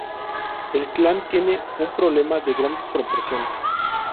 El clan tiene un problema de grandes proporciones.